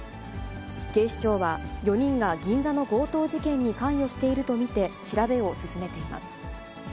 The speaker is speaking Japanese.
警視庁は、４人が銀座の強盗事件に関与していると見て、調べを進めています。